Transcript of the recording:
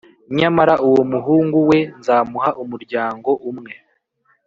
Nyamara uwo muhungu we nzamuha umuryango umwe